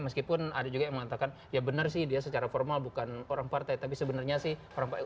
dan ada juga yang mengatakan ya benar sih dia secara formal bukan orang partai tapi sebenarnya sih orang partai